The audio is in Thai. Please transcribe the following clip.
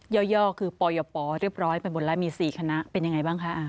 ่อคือปยปเรียบร้อยไปหมดแล้วมี๔คณะเป็นยังไงบ้างคะ